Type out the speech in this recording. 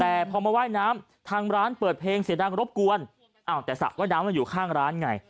แต่พอมาว่ายน้ำทางร้านเปิดเพลงเสียงดังรบกวนอ้าวแต่สระว่ายน้ำมันอยู่ข้างร้านไง